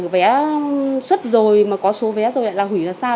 vé xuất rồi mà có số vé rồi lại là hủy ra sao